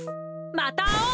またあおう！